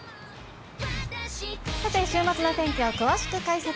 さて週末の天気を詳しく解説。